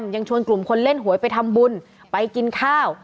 ยังชวนกลุ่มคนเล่นหวยไปทำบุญไปกินข้าว